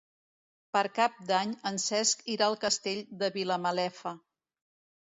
Per Cap d'Any en Cesc irà al Castell de Vilamalefa.